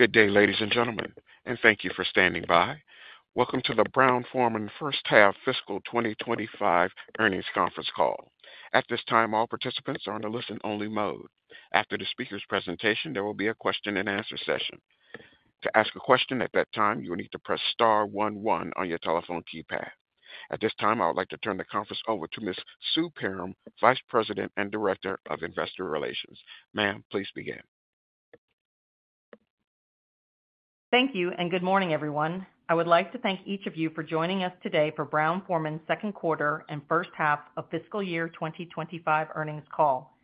Good day, ladies and gentlemen, and thank you for standing by. Welcome to the Brown-Forman First Half Fiscal 2025 Earnings Conference Call. At this time, all participants are in a listen-only mode. After the speaker's presentation, there will be a question-and-answer session. To ask a question at that time, you will need to press star one one on your telephone keypad. At this time, I would like to turn the conference over to Ms. Sue Perram, Vice President and Director of Investor Relations. Ma'am, please begin. Thank you, and good morning, everyone. I would like to thank each of you for joining us today for Brown-Forman Second Quarter and First Half of Fiscal Year 2025 Earnings Call.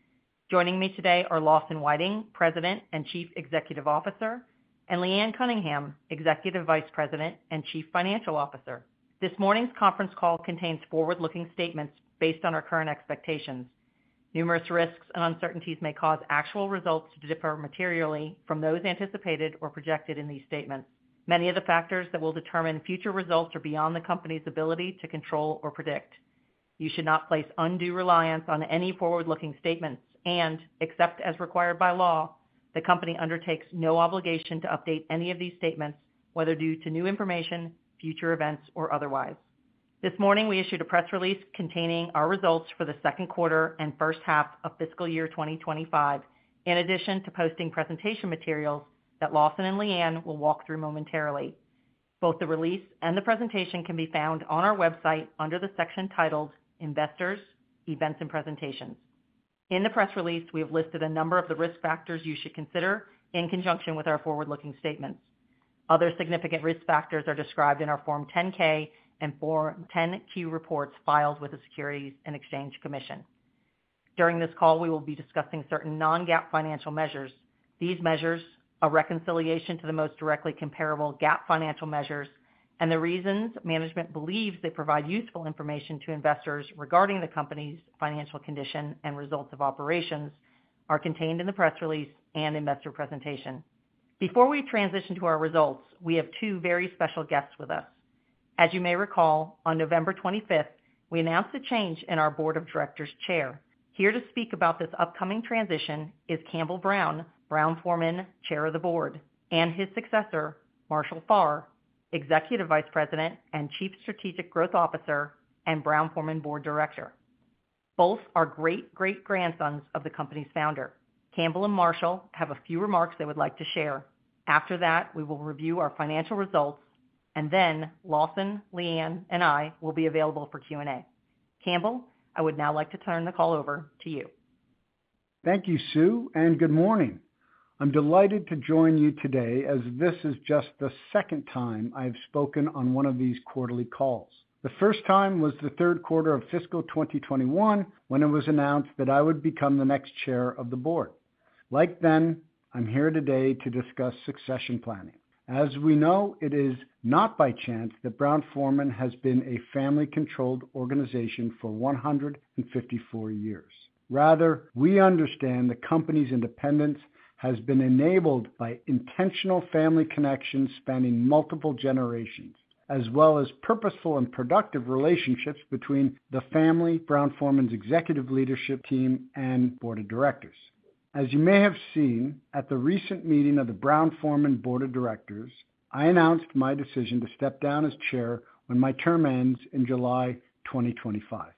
Joining me today are Lawson Whiting, President and Chief Executive Officer, and Leanne Cunningham, Executive Vice President and Chief Financial Officer. This morning's conference call contains forward-looking statements based on our current expectations. Numerous risks and uncertainties may cause actual results to differ materially from those anticipated or projected in these statements. Many of the factors that will determine future results are beyond the company's ability to control or predict. You should not place undue reliance on any forward-looking statements and, except as required by law, the company undertakes no obligation to update any of these statements, whether due to new information, future events, or otherwise. This morning, we issued a press release containing our results for the second quarter and first half of Fiscal Year 2025, in addition to posting presentation materials that Lawson and Leanne will walk through momentarily. Both the release and the presentation can be found on our website under the section titled Investors, Events, and Presentations. In the press release, we have listed a number of the risk factors you should consider in conjunction with our forward-looking statements. Other significant risk factors are described in our Form 10-K and Form 10-Q reports filed with the Securities and Exchange Commission. During this call, we will be discussing certain non-GAAP financial measures. These measures are reconciliation to the most directly comparable GAAP financial measures, and the reasons management believes they provide useful information to investors regarding the company's financial condition and results of operations are contained in the press release and investor presentation. Before we transition to our results, we have two very special guests with us. As you may recall, on November 25th, we announced a change in our Board of Directors Chair. Here to speak about this upcoming transition is Campbell Brown, Brown-Forman Chair of the Board, and his successor, Marshall Farrer, Executive Vice President and Chief Strategic Growth Officer and Brown-Forman Board Director. Both are great, great grandsons of the company's founder. Campbell and Marshall have a few remarks they would like to share. After that, we will review our financial results, and then Lawson, Leanne, and I will be available for Q&A. Campbell, I would now like to turn the call over to you. Thank you, Sue, and good morning. I'm delighted to join you today as this is just the second time I've spoken on one of these quarterly calls. The first time was the third quarter of Fiscal 2021 when it was announced that I would become the next Chair of the Board. Like then, I'm here today to discuss succession planning. As we know, it is not by chance that Brown-Forman has been a family-controlled organization for 154 years. Rather, we understand the company's independence has been enabled by intentional family connections spanning multiple generations, as well as purposeful and productive relationships between the family, Brown-Forman's executive leadership team, and Board of Directors. As you may have seen at the recent meeting of the Brown-Forman Board of Directors, I announced my decision to step down as Chair when my term ends in July 2025.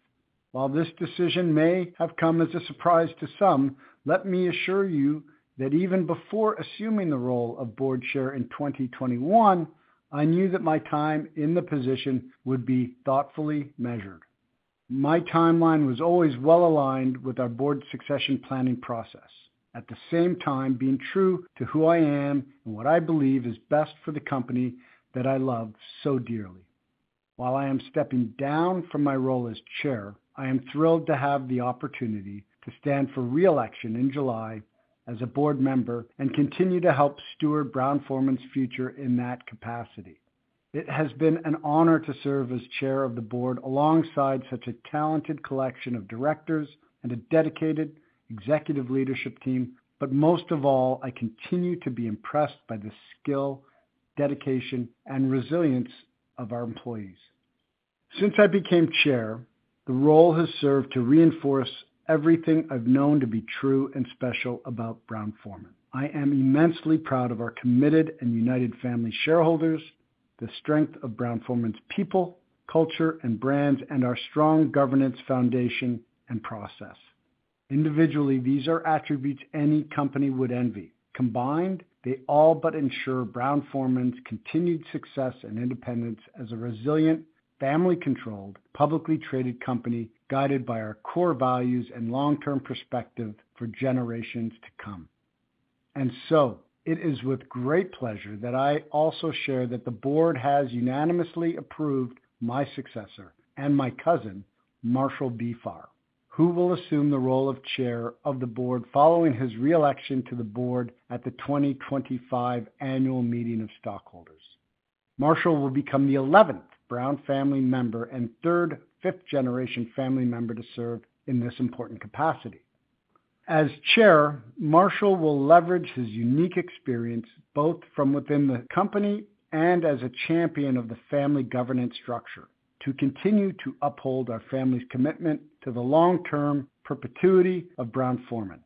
While this decision may have come as a surprise to some, let me assure you that even before assuming the role of Board Chair in 2021, I knew that my time in the position would be thoughtfully measured. My timeline was always well aligned with our Board succession planning process, at the same time being true to who I am and what I believe is best for the company that I love so dearly. While I am stepping down from my role as Chair, I am thrilled to have the opportunity to stand for reelection in July as a Board member and continue to help steward Brown-Forman's future in that capacity. It has been an honor to serve as Chair of the Board alongside such a talented collection of directors and a dedicated executive leadership team, but most of all, I continue to be impressed by the skill, dedication, and resilience of our employees. Since I became Chair, the role has served to reinforce everything I've known to be true and special about Brown-Forman. I am immensely proud of our committed and united family shareholders, the strength of Brown-Forman's people, culture, and brands, and our strong governance foundation and process. Individually, these are attributes any company would envy. Combined, they all but ensure Brown-Forman's continued success and independence as a resilient, family-controlled, publicly traded company guided by our core values and long-term perspective for generations to come. And so, it is with great pleasure that I also share that the Board has unanimously approved my successor and my cousin, Marshall B. Farrer. Who will assume the role of Chair of the Board following his reelection to the Board at the 2025 Annual Meeting of Stockholders. Marshall will become the 11th Brown family member and third, fifth-generation family member to serve in this important capacity. As Chair, Marshall will leverage his unique experience both from within the company and as a champion of the family governance structure to continue to uphold our family's commitment to the long-term perpetuity of Brown-Forman.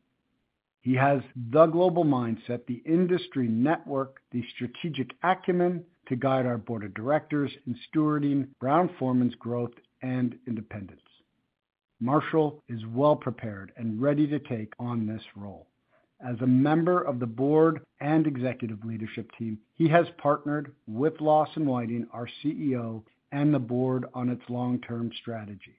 He has the global mindset, the industry network, the strategic acumen to guide our Board of Directors in stewarding Brown-Forman's growth and independence. Marshall is well prepared and ready to take on this role. As a member of the Board and executive leadership team, he has partnered with Lawson Whiting, our CEO, and the Board on its long-term strategy.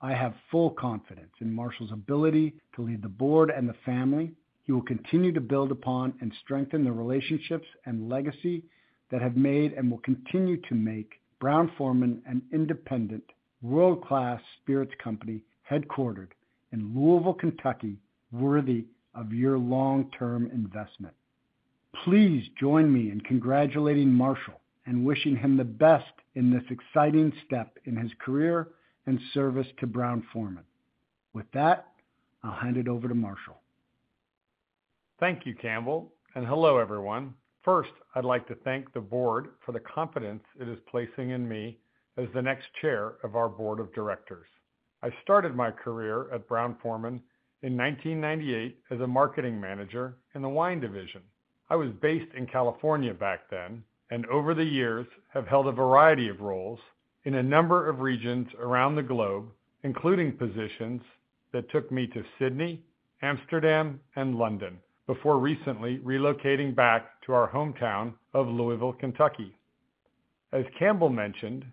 I have full confidence in Marshall's ability to lead the Board and the family. He will continue to build upon and strengthen the relationships and legacy that have made and will continue to make Brown-Forman an independent, world-class spirits company headquartered in Louisville, Kentucky, worthy of your long-term investment. Please join me in congratulating Marshall and wishing him the best in this exciting step in his career and service to Brown-Forman. With that, I'll hand it over to Marshall. Thank you, Campbell, and hello, everyone. First, I'd like to thank the Board for the confidence it is placing in me as the next Chair of our Board of Directors. I started my career at Brown-Forman in 1998 as a marketing manager in the wine division. I was based in California back then and over the years have held a variety of roles in a number of regions around the globe, including positions that took me to Sydney, Amsterdam, and London before recently relocating back to our hometown of Louisville, Kentucky. As Campbell mentioned,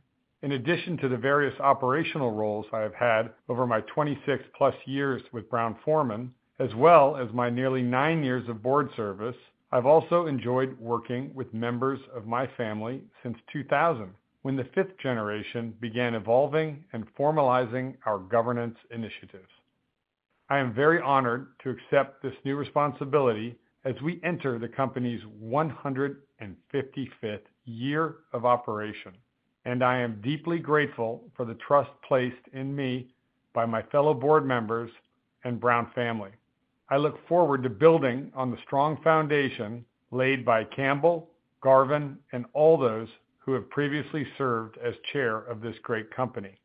in addition to the various operational roles I have had over my 26-plus years with Brown-Forman, as well as my nearly nine years of Board service, I've also enjoyed working with members of my family since 2000, when the fifth generation began evolving and formalizing our governance initiatives. I am very honored to accept this new responsibility as we enter the company's 155th year of operation, and I am deeply grateful for the trust placed in me by my fellow Board members and Brown family. I look forward to building on the strong foundation laid by Campbell, Garvin, and all those who have previously served as Chair of this great company.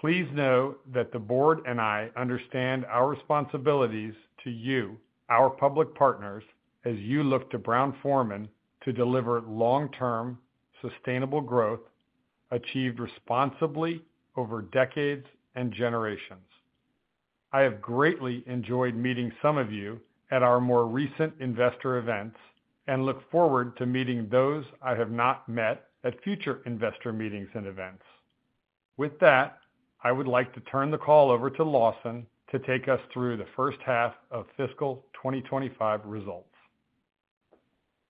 Please know that the Board and I understand our responsibilities to you, our public partners, as you look to Brown-Forman to deliver long-term, sustainable growth achieved responsibly over decades and generations. I have greatly enjoyed meeting some of you at our more recent investor events and look forward to meeting those I have not met at future investor meetings and events. With that, I would like to turn the call over to Lawson to take us through the first half of Fiscal 2025 results.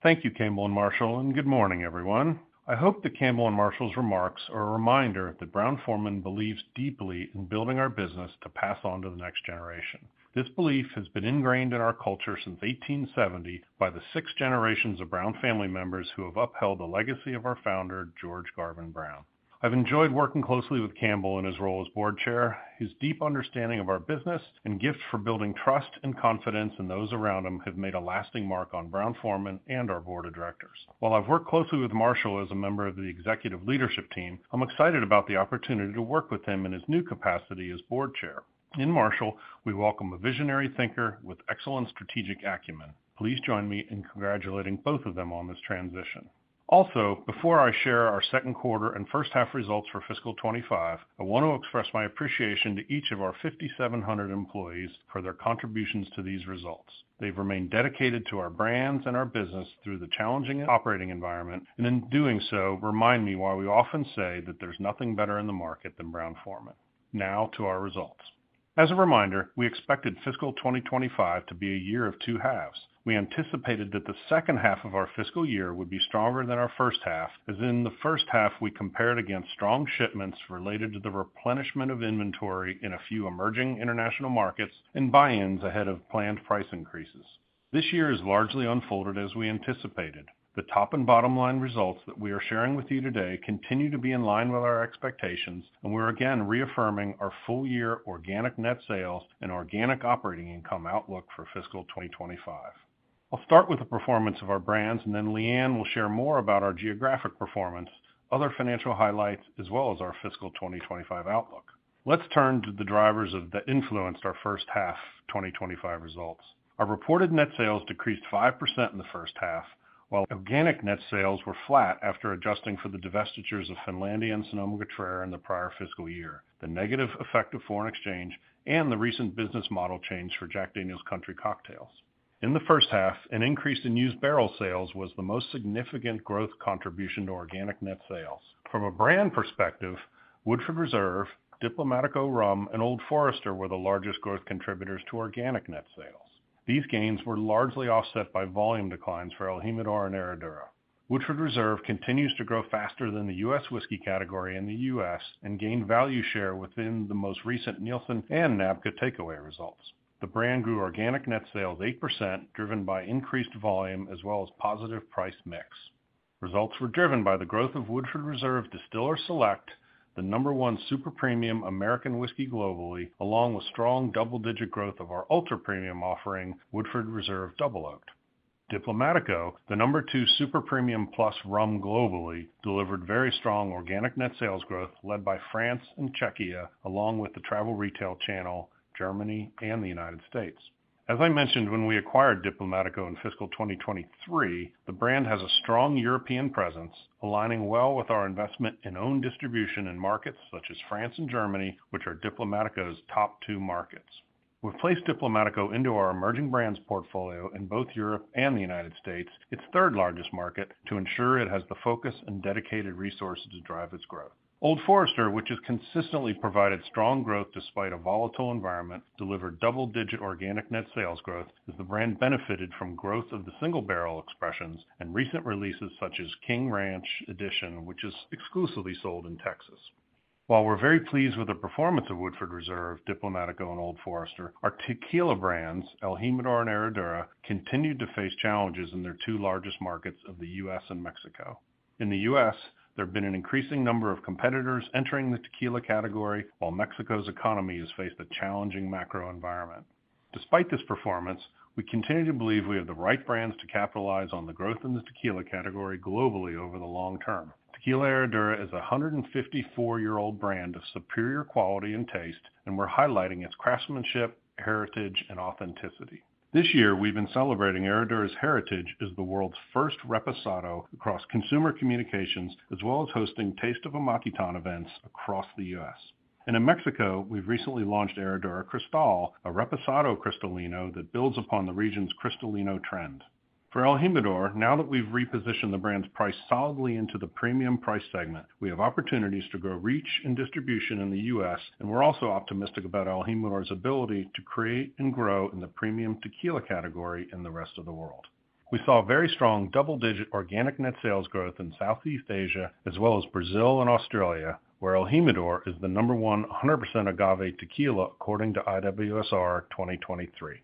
Thank you, Campbell and Marshall, and good morning, everyone. I hope that Campbell and Marshall's remarks are a reminder that Brown-Forman believes deeply in building our business to pass on to the next generation. This belief has been ingrained in our culture since 1870 by the six generations of Brown family members who have upheld the legacy of our founder, George Garvin Brown. I've enjoyed working closely with Campbell in his role as Board Chair. His deep understanding of our business and gift for building trust and confidence in those around him have made a lasting mark on Brown-Forman and our Board of Directors. While I've worked closely with Marshall as a member of the executive leadership team, I'm excited about the opportunity to work with him in his new capacity as Board Chair. In Marshall, we welcome a visionary thinker with excellent strategic acumen. Please join me in congratulating both of them on this transition. Also, before I share our second quarter and first half results for Fiscal 2025, I want to express my appreciation to each of our 5,700 employees for their contributions to these results. They've remained dedicated to our brands and our business through the challenging operating environment, and in doing so, remind me why we often say that there's nothing better in the market than Brown-Forman. Now to our results. As a reminder, we expected Fiscal 2025 to be a year of two halves. We anticipated that the second half of our fiscal year would be stronger than our first half, as in the first half, we compared against strong shipments related to the replenishment of inventory in a few emerging international markets and buy-ins ahead of planned price increases. This year has largely unfolded as we anticipated. The top and bottom line results that we are sharing with you today continue to be in line with our expectations, and we're again reaffirming our full-year organic net sales and organic operating income outlook for Fiscal 2025. I'll start with the performance of our brands, and then Leanne will share more about our geographic performance, other financial highlights, as well as our Fiscal 2025 outlook. Let's turn to the drivers that influenced our first half 2025 results. Our reported net sales decreased 5% in the first half, while organic net sales were flat after adjusting for the divestitures of Finlandia and Sonoma-Cutrer in the prior fiscal year, the negative effect of foreign exchange, and the recent business model change for Jack Daniel's Country Cocktails. In the first half, an increase in used barrel sales was the most significant growth contribution to organic net sales. From a brand perspective, Woodford Reserve, Diplomático Rum, and Old Forester were the largest growth contributors to organic net sales. These gains were largely offset by volume declines for el Jimador and Herradura. Woodford Reserve continues to grow faster than the U.S. whiskey category in the U.S. and gained value share within the most recent Nielsen and NABCA takeaway results. The brand grew organic net sales 8%, driven by increased volume as well as positive price mix. Results were driven by the growth of Woodford Reserve Distiller's Select, the number one super premium American whiskey globally, along with strong double-digit growth of our ultra premium offering, Woodford Reserve Double Oaked. Diplomático, the number two super premium plus rum globally, delivered very strong organic net sales growth led by France and Czechia, along with the travel retail channel, Germany, and the United States. As I mentioned, when we acquired Diplomático in Fiscal 2023, the brand has a strong European presence, aligning well with our investment in own distribution in markets such as France and Germany, which are Diplomático's top two markets. We've placed Diplomático into our emerging brands portfolio in both Europe and the United States, its third largest market, to ensure it has the focus and dedicated resources to drive its growth. Old Forester, which has consistently provided strong growth despite a volatile environment, delivered double-digit organic net sales growth as the brand benefited from growth of the single barrel expressions and recent releases such as King Ranch Edition, which is exclusively sold in Texas. While we're very pleased with the performance of Woodford Reserve, Diplomático, and Old Forester, our tequila brands, el Jimador and Herradura, continued to face challenges in their two largest markets of the U.S. and Mexico. In the U.S., there have been an increasing number of competitors entering the tequila category, while Mexico's economy has faced a challenging macro environment. Despite this performance, we continue to believe we have the right brands to capitalize on the growth in the tequila category globally over the long term. Herradura is a 154-year-old brand of superior quality and taste, and we're highlighting its craftsmanship, heritage, and authenticity. This year, we've been celebrating Herradura's heritage as the world's first Reposado across consumer communications, as well as hosting Taste of Amatitán events across the U.S., and in Mexico, we've recently launched Herradura Cristal, a Reposado Cristalino that builds upon the region's Cristalino trend. For el Jimador, now that we've repositioned the brand's price solidly into the premium price segment, we have opportunities to grow reach and distribution in the U.S., and we're also optimistic about el Jimador's ability to create and grow in the premium tequila category in the rest of the world. We saw very strong double-digit organic net sales growth in Southeast Asia, as well as Brazil and Australia, where el Jimador is the number one 100% agave tequila, according to IWSR 2023.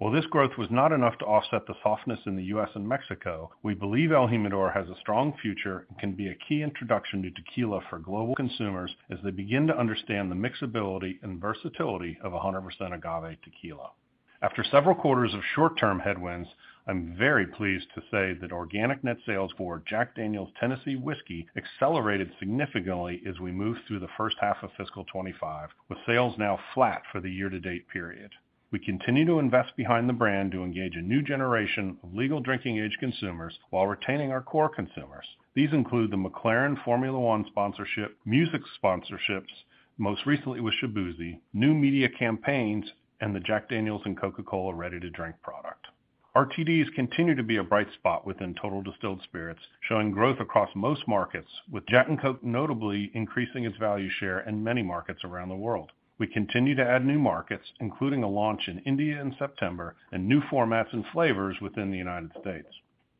While this growth was not enough to offset the softness in the U.S. and Mexico, we believe el Jimador has a strong future and can be a key introduction to tequila for global consumers as they begin to understand the mixability and versatility of 100% agave tequila. After several quarters of short-term headwinds, I'm very pleased to say that organic net sales for Jack Daniel's Tennessee Whiskey accelerated significantly as we moved through the first half of Fiscal 2025, with sales now flat for the year-to-date period. We continue to invest behind the brand to engage a new generation of legal drinking-age consumers while retaining our core consumers. These include the McLaren Formula One sponsorship, music sponsorships, most recently with Shaboozey, new media campaigns, and the Jack Daniel's and Coca-Cola ready-to-drink product. Our RTDs continue to be a bright spot within Total Distilled Spirits, showing growth across most markets, with Jack & Coke notably increasing its value share in many markets around the world. We continue to add new markets, including a launch in India in September and new formats and flavors within the United States.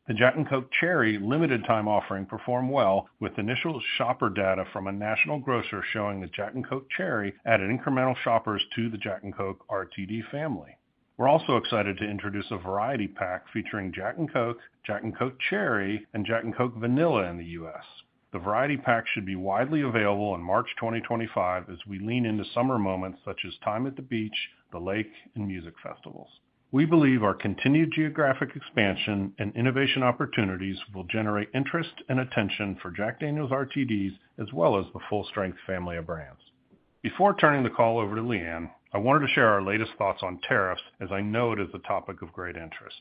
The Jack & Coke Cherry limited-time offering performed well, with initial shopper data from a national grocer showing the Jack & Coke Cherry added incremental shoppers to the Jack & Coke RTD family. We're also excited to introduce a variety pack featuring Jack & Coke, Jack & Coke Cherry, and Jack & Coke Vanilla in the U.S. The variety pack should be widely available in March 2025 as we lean into summer moments such as time at the beach, the lake, and music festivals. We believe our continued geographic expansion and innovation opportunities will generate interest and attention for Jack Daniel's RTDs, as well as the full-strength family of brands. Before turning the call over to Leanne, I wanted to share our latest thoughts on tariffs, as I know it is a topic of great interest.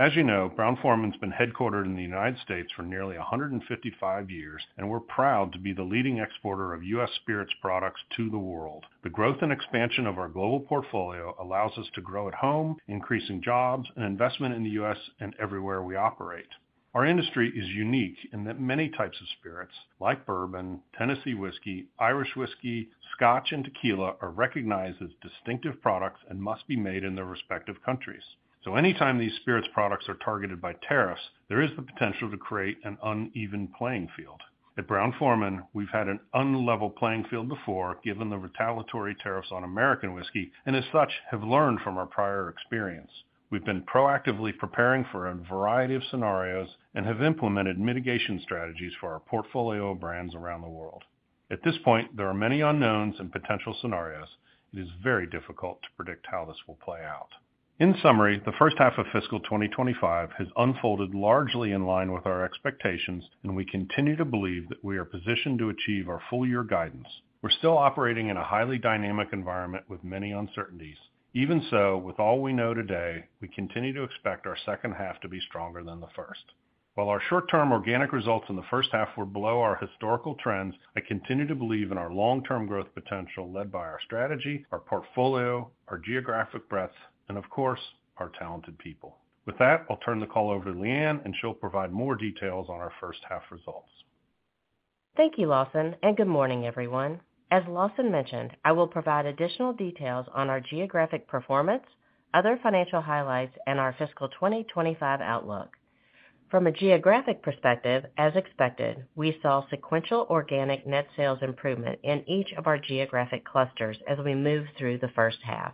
As you know, Brown-Forman has been headquartered in the United States for nearly 155 years, and we're proud to be the leading exporter of U.S. spirits products to the world. The growth and expansion of our global portfolio allows us to grow at home, increasing jobs and investment in the U.S. and everywhere we operate. Our industry is unique in that many types of spirits, like bourbon, Tennessee whiskey, Irish whiskey, Scotch, and tequila, are recognized as distinctive products and must be made in their respective countries. So anytime these spirits products are targeted by tariffs, there is the potential to create an uneven playing field. At Brown-Forman, we've had an unlevel playing field before given the retaliatory tariffs on American whiskey, and as such, have learned from our prior experience. We've been proactively preparing for a variety of scenarios and have implemented mitigation strategies for our portfolio of brands around the world. At this point, there are many unknowns and potential scenarios. It is very difficult to predict how this will play out. In summary, the first half of Fiscal 2025 has unfolded largely in line with our expectations, and we continue to believe that we are positioned to achieve our full-year guidance. We're still operating in a highly dynamic environment with many uncertainties. Even so, with all we know today, we continue to expect our second half to be stronger than the first. While our short-term organic results in the first half were below our historical trends, I continue to believe in our long-term growth potential led by our strategy, our portfolio, our geographic breadth, and of course, our talented people. With that, I'll turn the call over to Leanne, and she'll provide more details on our first half results. Thank you, Lawson, and good morning, everyone. As Lawson mentioned, I will provide additional details on our geographic performance, other financial highlights, and our Fiscal 2025 outlook. From a geographic perspective, as expected, we saw sequential organic net sales improvement in each of our geographic clusters as we moved through the first half.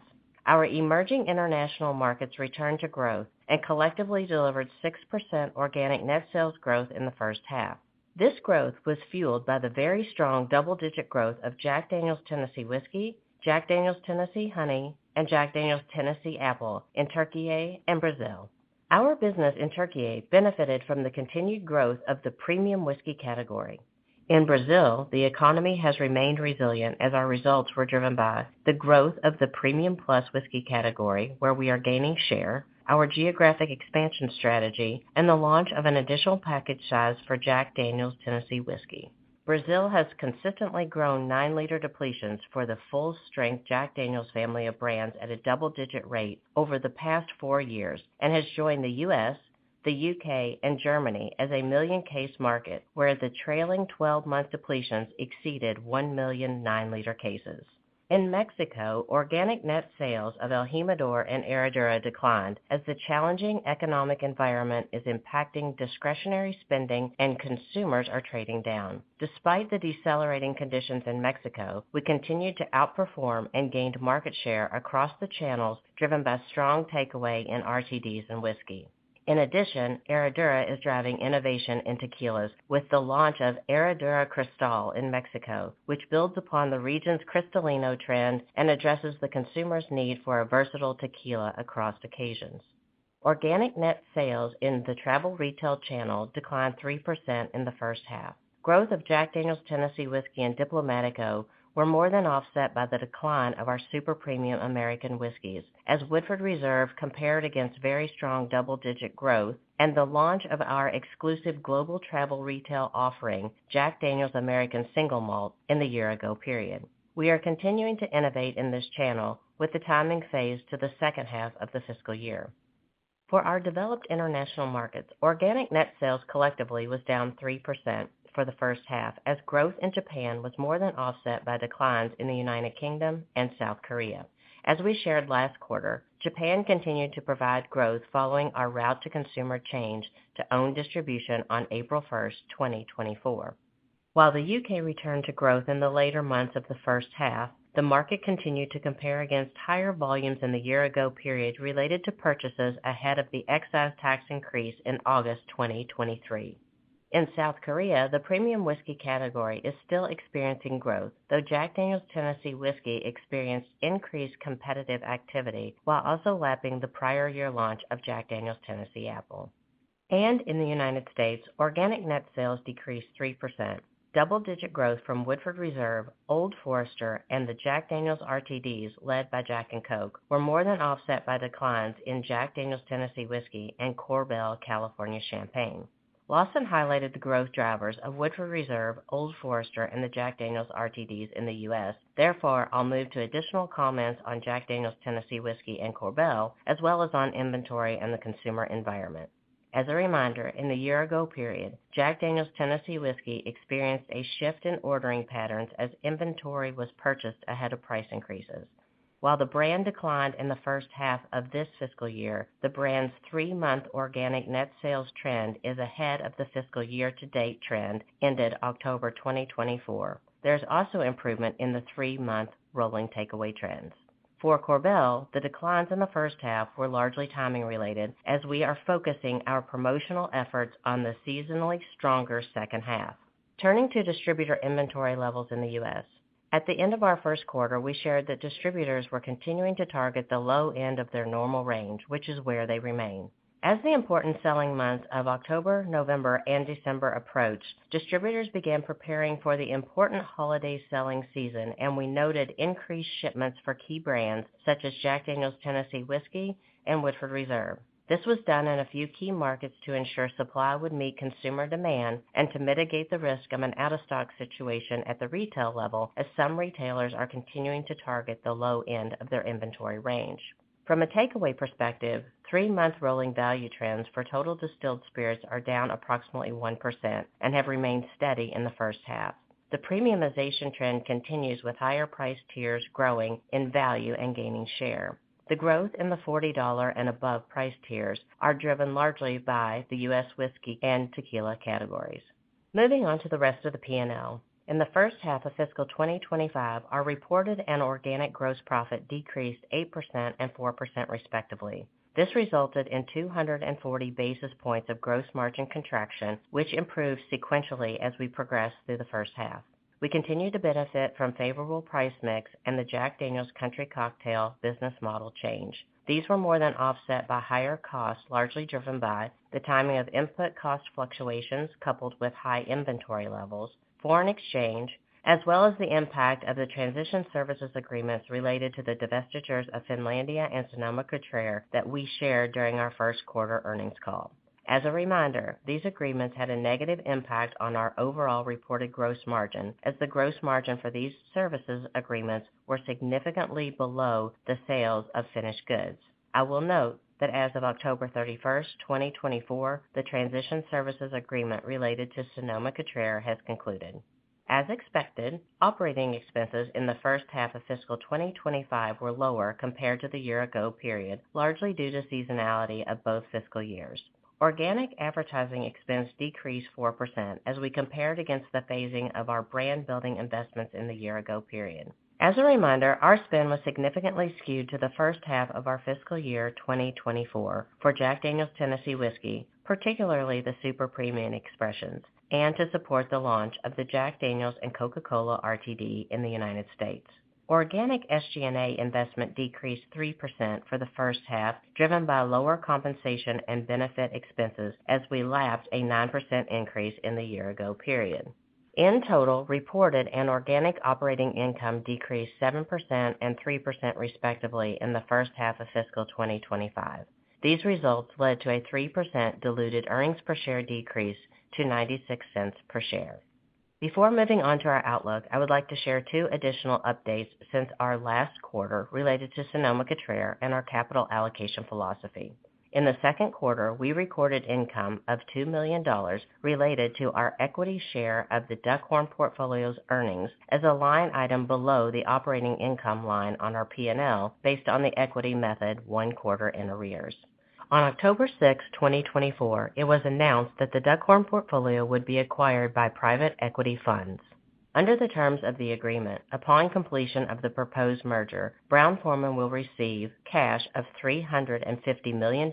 Our emerging international markets returned to growth and collectively delivered 6% organic net sales growth in the first half. This growth was fueled by the very strong double-digit growth of Jack Daniel's Tennessee Whiskey, Jack Daniel's Tennessee Honey, and Jack Daniel's Tennessee Apple in Türkiye and Brazil. Our business in Türkiye benefited from the continued growth of the premium whiskey category. In Brazil, the economy has remained resilient as our results were driven by the growth of the premium plus whiskey category, where we are gaining share, our geographic expansion strategy, and the launch of an additional package size for Jack Daniel's Tennessee Whiskey. Brazil has consistently grown nine-liter depletions for the full-strength Jack Daniel's family of brands at a double-digit rate over the past four years and has joined the U.S., the U.K., and Germany as a million-case market, where the trailing 12-month depletions exceeded 1 million nine-liter cases. In Mexico, organic net sales of el Jimador and Herradura declined as the challenging economic environment is impacting discretionary spending and consumers are trading down. Despite the decelerating conditions in Mexico, we continued to outperform and gained market share across the channels driven by strong takeaway in RTDs and whiskey. In addition, Herradura is driving innovation in tequilas with the launch of Herradura Cristal in Mexico, which builds upon the region's Cristalino trend and addresses the consumer's need for a versatile tequila across occasions. Organic net sales in the travel retail channel declined 3% in the first half. Growth of Jack Daniel's Tennessee Whiskey and Diplomático were more than offset by the decline of our super premium American whiskeys as Woodford Reserve compared against very strong double-digit growth and the launch of our exclusive global travel retail offering, Jack Daniel's American Single Malt in the year-ago period. We are continuing to innovate in this channel with the timing phased to the second half of the fiscal year. For our developed international markets, organic net sales collectively was down 3% for the first half as growth in Japan was more than offset by declines in the United Kingdom and South Korea. As we shared last quarter, Japan continued to provide growth following our route to consumer change to own distribution on April 1st, 2024. While the U.K. returned to growth in the later months of the first half, the market continued to compare against higher volumes in the year-ago period related to purchases ahead of the excise tax increase in August 2023. In South Korea, the premium whiskey category is still experiencing growth, though Jack Daniel's Tennessee Whiskey experienced increased competitive activity while also lapping the prior year launch of Jack Daniel's Tennessee Apple. And in the United States, organic net sales decreased 3%. Double-digit growth from Woodford Reserve, Old Forester, and the Jack Daniel's RTDs led by Jack & Coke were more than offset by declines in Jack Daniel's Tennessee Whiskey and Korbel California Champagne. Lawson highlighted the growth drivers of Woodford Reserve, Old Forester, and the Jack Daniel's RTDs in the U.S. Therefore, I'll move to additional comments on Jack Daniel's Tennessee Whiskey and Korbel, as well as on inventory and the consumer environment. As a reminder, in the year-ago period, Jack Daniel's Tennessee Whiskey experienced a shift in ordering patterns as inventory was purchased ahead of price increases. While the brand declined in the first half of this fiscal year, the brand's three-month organic net sales trend is ahead of the fiscal year-to-date trend ended October 2024. There's also improvement in the three-month rolling takeaway trends. For Korbel, the declines in the first half were largely timing-related as we are focusing our promotional efforts on the seasonally stronger second half. Turning to distributor inventory levels in the U.S., at the end of our first quarter, we shared that distributors were continuing to target the low end of their normal range, which is where they remain. As the important selling months of October, November, and December approached, distributors began preparing for the important holiday selling season, and we noted increased shipments for key brands such as Jack Daniel's Tennessee Whiskey and Woodford Reserve. This was done in a few key markets to ensure supply would meet consumer demand and to mitigate the risk of an out-of-stock situation at the retail level, as some retailers are continuing to target the low end of their inventory range. From a takeaway perspective, three-month rolling value trends for Total Distilled Spirits are down approximately 1% and have remained steady in the first half. The premiumization trend continues with higher price tiers growing in value and gaining share. The growth in the $40 and above price tiers is driven largely by the U.S. whiskey and tequila categories. Moving on to the rest of the P&L, in the first half of fiscal 2025, our reported and organic gross profit decreased 8% and 4% respectively. This resulted in 240 basis points of gross margin contraction, which improved sequentially as we progressed through the first half. We continue to benefit from favorable price mix and the Jack Daniel's Country Cocktail business model change. These were more than offset by higher costs largely driven by the timing of input cost fluctuations coupled with high inventory levels, foreign exchange, as well as the impact of the transition services agreements related to the divestitures of Finlandia and Sonoma-Cutrer that we shared during our first quarter earnings call. As a reminder, these agreements had a negative impact on our overall reported gross margin as the gross margin for these services agreements was significantly below the sales of finished goods. I will note that as of October 31st, 2024, the transition services agreement related to Sonoma-Cutrer has concluded. As expected, operating expenses in the first half of fiscal 2025 were lower compared to the year-ago period, largely due to seasonality of both fiscal years. Organic advertising expense decreased 4% as we compared against the phasing of our brand-building investments in the year-ago period. As a reminder, our spend was significantly skewed to the first half of our fiscal year 2024 for Jack Daniel's Tennessee Whiskey, particularly the super premium expressions, and to support the launch of the Jack Daniel's and Coca-Cola RTD in the United States. Organic SG&A investment decreased 3% for the first half, driven by lower compensation and benefit expenses as we lapped a 9% increase in the year-ago period. In total, reported and organic operating income decreased 7% and 3% respectively in the first half of fiscal 2025. These results led to a 3% diluted earnings per share decrease to $0.96 per share. Before moving on to our outlook, I would like to share two additional updates since our last quarter related to Sonoma-Cutrer and our capital allocation philosophy. In the second quarter, we recorded income of $2 million related to our equity share of the Duckhorn Portfolio's earnings as a line item below the operating income line on our P&L based on the equity method one quarter in arrears. On October 6th, 2024, it was announced that the Duckhorn Portfolio would be acquired by private equity funds. Under the terms of the agreement, upon completion of the proposed merger, Brown-Forman will receive cash of $350 million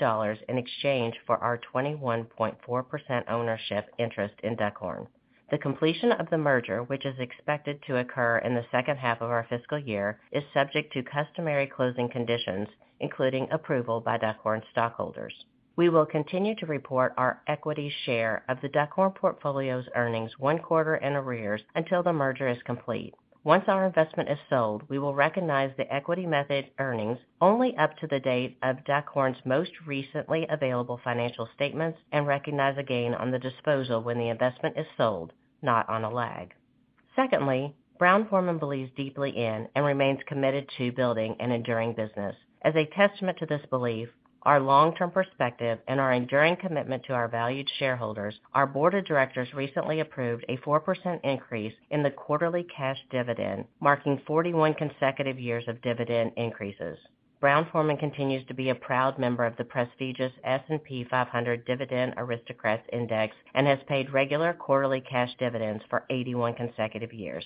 in exchange for our 21.4% ownership interest in Duckhorn. The completion of the merger, which is expected to occur in the second half of our fiscal year, is subject to customary closing conditions, including approval by Duckhorn stockholders. We will continue to report our equity share of the Duckhorn Portfolio's earnings one quarter in arrears until the merger is complete. Once our investment is sold, we will recognize the equity method earnings only up to the date of Duckhorn's most recently available financial statements and recognize a gain on the disposal when the investment is sold, not on a lag. Secondly, Brown-Forman believes deeply in and remains committed to building an enduring business. As a testament to this belief, our long-term perspective and our enduring commitment to our valued shareholders, our board of directors recently approved a 4% increase in the quarterly cash dividend, marking 41 consecutive years of dividend increases. Brown-Forman continues to be a proud member of the prestigious S&P 500 Dividend Aristocrats Index and has paid regular quarterly cash dividends for 81 consecutive years.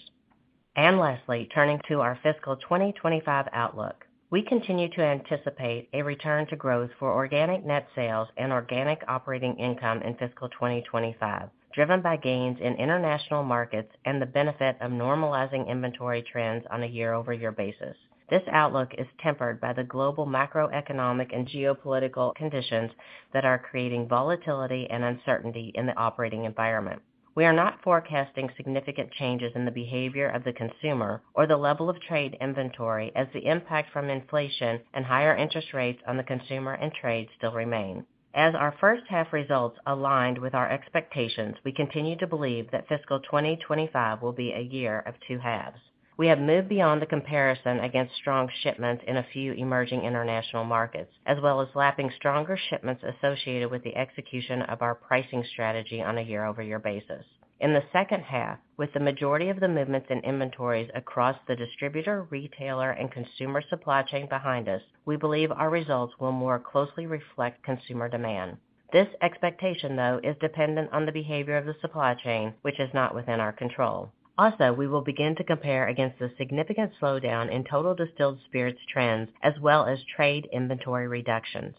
Lastly, turning to our fiscal 2025 outlook, we continue to anticipate a return to growth for organic net sales and organic operating income in fiscal 2025, driven by gains in international markets and the benefit of normalizing inventory trends on a year-over-year basis. This outlook is tempered by the global macroeconomic and geopolitical conditions that are creating volatility and uncertainty in the operating environment. We are not forecasting significant changes in the behavior of the consumer or the level of trade inventory as the impact from inflation and higher interest rates on the consumer and trade still remain. As our first half results aligned with our expectations, we continue to believe that fiscal 2025 will be a year of two halves. We have moved beyond the comparison against strong shipments in a few emerging international markets, as well as lapping stronger shipments associated with the execution of our pricing strategy on a year-over-year basis. In the second half, with the majority of the movements in inventories across the distributor, retailer, and consumer supply chain behind us, we believe our results will more closely reflect consumer demand. This expectation, though, is dependent on the behavior of the supply chain, which is not within our control. Also, we will begin to compare against the significant slowdown in Total Distilled Spirits trends as well as trade inventory reductions.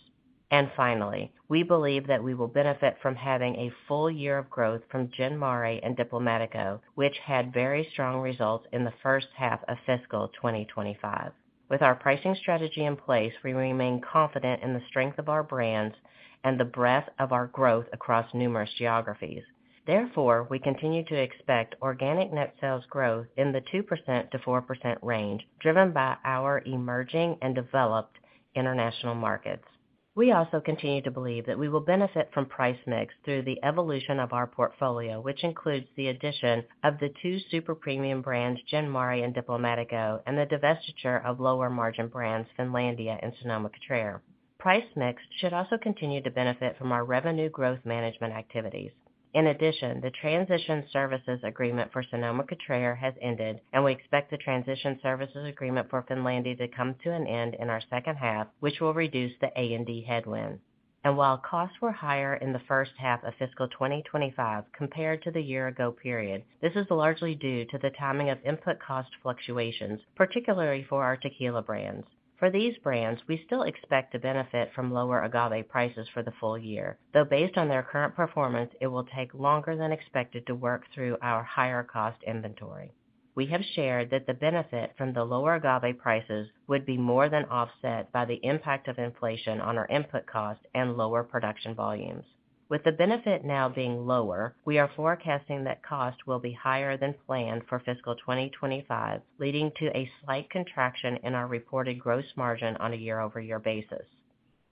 And finally, we believe that we will benefit from having a full year of growth from Gin Mare and Diplomático, which had very strong results in the first half of fiscal 2025. With our pricing strategy in place, we remain confident in the strength of our brands and the breadth of our growth across numerous geographies. Therefore, we continue to expect organic net sales growth in the 2%-4% range, driven by our emerging and developed international markets. We also continue to believe that we will benefit from price mix through the evolution of our portfolio, which includes the addition of the two super premium brands, Gin Mare and Diplomático, and the divestiture of lower margin brands, Finlandia and Sonoma-Cutrer. Price mix should also continue to benefit from our revenue growth management activities. In addition, the transition services agreement for Sonoma-Cutrer has ended, and we expect the transition services agreement for Finlandia to come to an end in our second half, which will reduce the A&D headwind. And while costs were higher in the first half of fiscal 2025 compared to the year-ago period, this is largely due to the timing of input cost fluctuations, particularly for our tequila brands. For these brands, we still expect to benefit from lower agave prices for the full year, though based on their current performance, it will take longer than expected to work through our higher cost inventory. We have shared that the benefit from the lower agave prices would be more than offset by the impact of inflation on our input costs and lower production volumes. With the benefit now being lower, we are forecasting that costs will be higher than planned for Fiscal 2025, leading to a slight contraction in our reported gross margin on a year-over-year basis.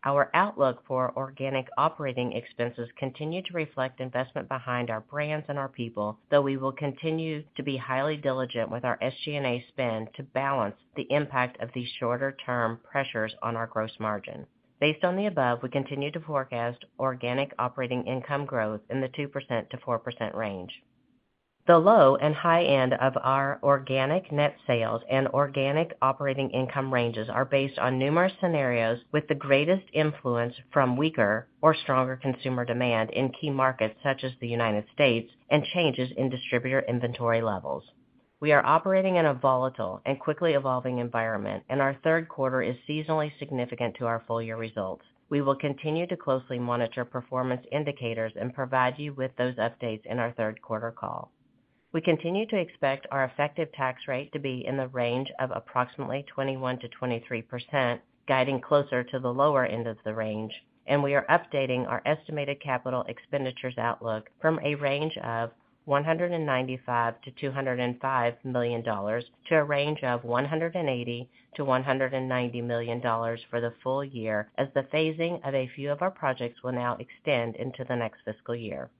Our outlook for organic operating expenses continues to reflect investment behind our brands and our people, though we will continue to be highly diligent with our SG&A spend to balance the impact of these shorter-term pressures on our gross margin. Based on the above, we continue to forecast organic operating income growth in the 2%-4% range. The low and high end of our organic net sales and organic operating income ranges are based on numerous scenarios with the greatest influence from weaker or stronger consumer demand in key markets such as the United States and changes in distributor inventory levels. We are operating in a volatile and quickly evolving environment, and our third quarter is seasonally significant to our full-year results. We will continue to closely monitor performance indicators and provide you with those updates in our third quarter call. We continue to expect our effective tax rate to be in the range of approximately 21%-23%, guiding closer to the lower end of the range, and we are updating our estimated capital expenditures outlook from a range of $195-$205 million to a range of $180-$190 million for the full year as the phasing of a few of our projects will now extend into the next fiscal year.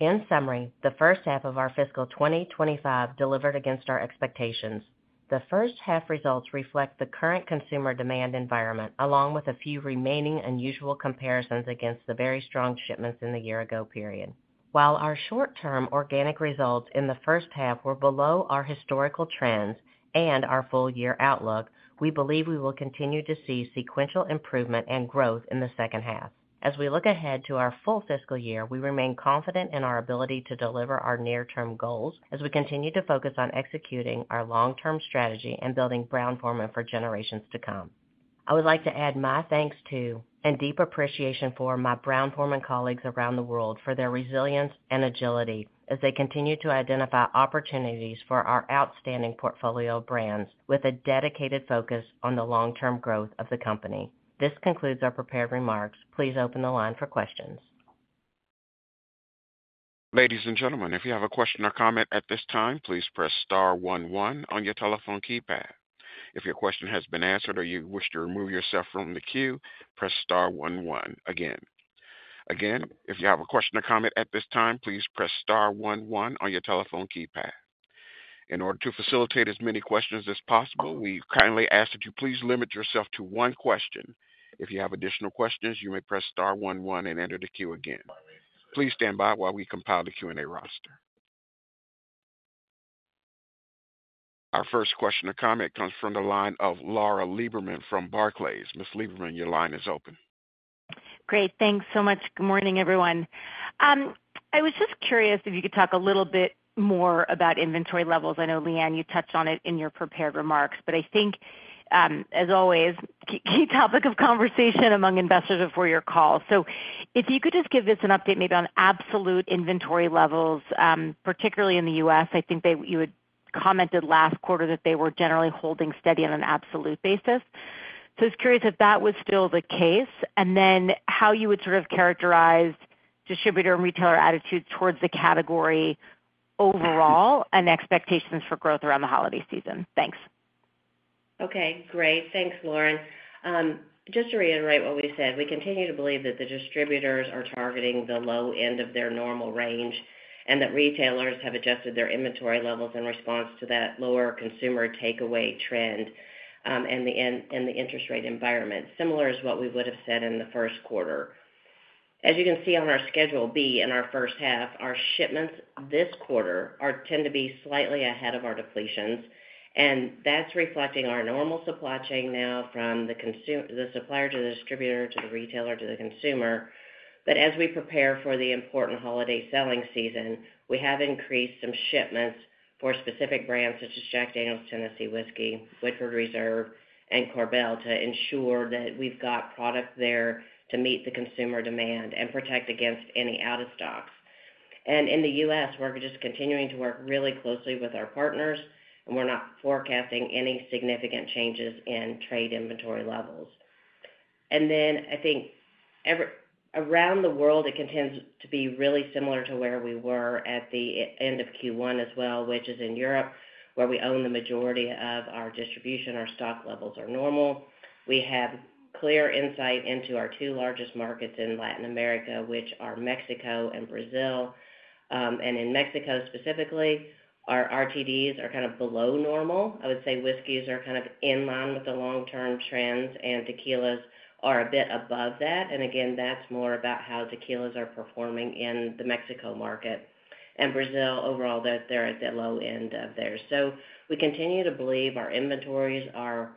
In summary, the first half of our fiscal 2025 delivered against our expectations. The first half results reflect the current consumer demand environment, along with a few remaining unusual comparisons against the very strong shipments in the year-ago period. While our short-term organic results in the first half were below our historical trends and our full-year outlook, we believe we will continue to see sequential improvement and growth in the second half. As we look ahead to our full fiscal year, we remain confident in our ability to deliver our near-term goals as we continue to focus on executing our long-term strategy and building Brown-Forman for generations to come. I would like to add my thanks to and deep appreciation for my Brown-Forman colleagues around the world for their resilience and agility as they continue to identify opportunities for our outstanding portfolio brands with a dedicated focus on the long-term growth of the company. This concludes our prepared remarks. Please open the line for questions. Ladies and gentlemen, if you have a question or comment at this time, please press star one one your telephone keypad. If your question has been answered or you wish to remove yourself from the queue, press star one one again. Again, if you have a question or comment at this time, please press star one one on your telephone keypad. In order to facilitate as many questions as possible, we kindly ask that you please limit yourself to one question. If you have additional questions, you may press star one one and enter the queue again. Please stand by while we compile the Q&A roster. Our first question or comment comes from the line of Lauren Lieberman from Barclays. Ms. Lieberman, your line is open. Great. Thanks so much. Good morning, everyone. I was just curious if you could talk a little bit more about inventory levels. I know, Leanne, you touched on it in your prepared remarks, but I think, as always, key topic of conversation among investors before your call. So if you could just give this an update maybe on absolute inventory levels, particularly in the U.S., I think you had commented last quarter that they were generally holding steady on an absolute basis. So I was curious if that was still the case, and then how you would sort of characterize distributor and retailer attitudes towards the category overall and expectations for growth around the holiday season. Thanks. Okay. Great. Thanks, Lauren. Just to reiterate what we said, we continue to believe that the distributors are targeting the low end of their normal range and that retailers have adjusted their inventory levels in response to that lower consumer takeaway trend and the interest rate environment, similar as what we would have said in the first quarter. As you can see on our Schedule B in our first half, our shipments this quarter tend to be slightly ahead of our depletions, and that's reflecting our normal supply chain now from the supplier to the distributor to the retailer to the consumer. But as we prepare for the important holiday selling season, we have increased some shipments for specific brands such as Jack Daniel's Tennessee Whiskey, Woodford Reserve, and Korbel to ensure that we've got product there to meet the consumer demand and protect against any out-of-stocks. In the U.S., we're just continuing to work really closely with our partners, and we're not forecasting any significant changes in trade inventory levels. Then I think around the world, it continues to be really similar to where we were at the end of Q1 as well, which is in Europe, where we own the majority of our distribution. Our stock levels are normal. We have clear insight into our two largest markets in Latin America, which are Mexico and Brazil. In Mexico specifically, our RTDs are kind of below normal. I would say whiskeys are kind of in line with the long-term trends, and tequilas are a bit above that. Again, that's more about how tequilas are performing in the Mexico market. In Brazil, overall, they're at the low end of theirs. So we continue to believe our inventories are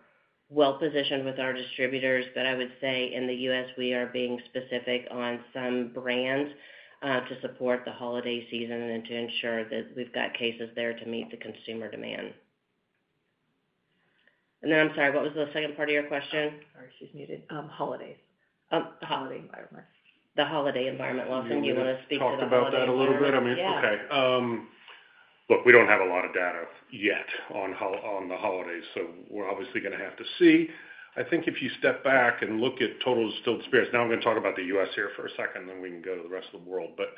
well-positioned with our distributors, but I would say in the U.S., we are being specific on some brands to support the holiday season and to ensure that we've got cases there to meet the consumer demand. And then I'm sorry, what was the second part of your question? Sorry, excuse me. Holidays. The holiday environment. Lawson, do you want to speak to the holiday? Talk about that a little bit. I mean, okay. Look, we don't have a lot of data yet on the holidays, so we're obviously going to have to see. I think if you step back and look at Total Distilled Spirits, now I'm going to talk about the U.S. here for a second, and then we can go to the rest of the world. But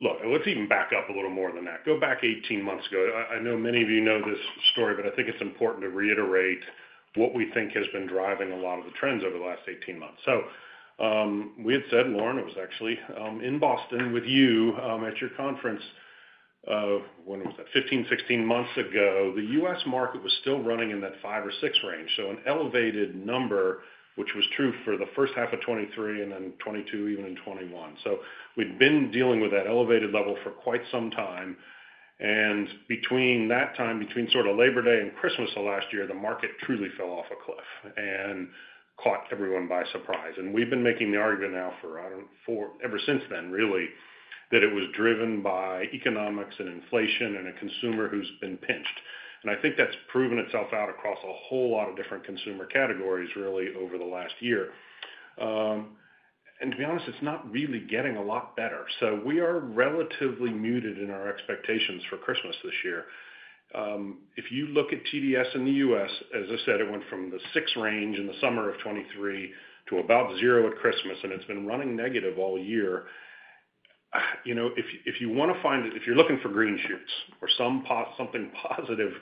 look, let's even back up a little more than that. Go back 18 months ago. I know many of you know this story, but I think it's important to reiterate what we think has been driving a lot of the trends over the last 18 months. So we had said, Lauren, it was actually in Boston with you at your conference, when was that? 15, 16 months ago, the U.S. market was still running in that five or six range, so an elevated number, which was true for the first half of 2023 and then 2022, even in 2021. So we'd been dealing with that elevated level for quite some time. And between that time, between sort of Labor Day and Christmas of last year, the market truly fell off a cliff and caught everyone by surprise. We've been making the argument now for, I don't know, ever since then, really, that it was driven by economics and inflation and a consumer who's been pinched. I think that's proven itself out across a whole lot of different consumer categories, really, over the last year. To be honest, it's not really getting a lot better. We are relatively muted in our expectations for Christmas this year. If you look at TDS in the U.S., as I said, it went from the six range in the summer of 2023 to about zero at Christmas, and it's been running negative all year. If you want to find it, if you're looking for green shoots or something positive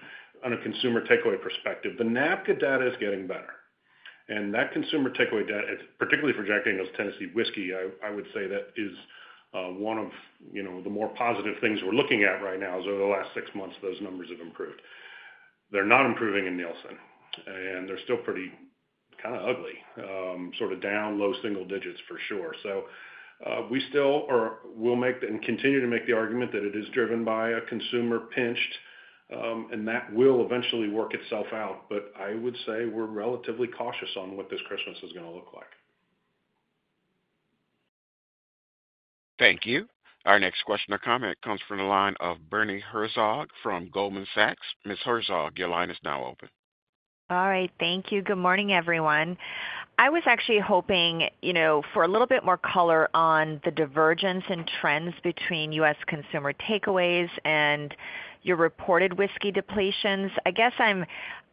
on a consumer takeaway perspective, the NABCA data is getting better. That consumer takeaway data, particularly for Jack Daniel's Tennessee Whiskey, I would say that is one of the more positive things we're looking at right now. Over the last six months, those numbers have improved. They're not improving in Nielsen, and they're still pretty kind of ugly, sort of down low single digits for sure. We still will make and continue to make the argument that it is driven by a consumer pinch, and that will eventually work itself out. I would say we're relatively cautious on what this Christmas is going to look like. Thank you. Our next question or comment comes from the line of Bonnie Herzog from Goldman Sachs. Ms. Herzog, your line is now open. All right. Thank you. Good morning, everyone. I was actually hoping for a little bit more color on the divergence and trends between U.S. consumer takeaways and your reported whiskey depletions. I guess